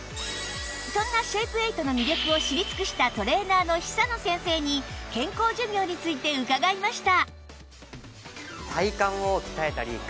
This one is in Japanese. そんなシェイプエイトの魅力を知り尽くしたトレーナーの久野先生に健康寿命について伺いました